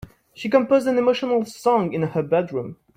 She composed an emotional song in her bedroom.